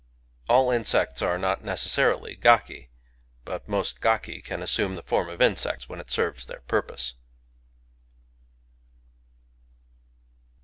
..." All insects are not necessarily gaki; but most gaki ,can assume the form of . insects when it serves th^ir purpose.